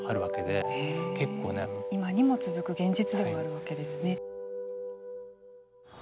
今にも続く現実でもあるわけですね。